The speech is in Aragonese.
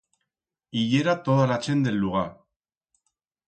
I yera toda la chent d'el lugar.